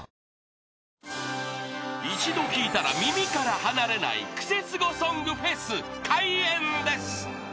［一度聴いたら耳から離れないクセスゴソングフェス開演です］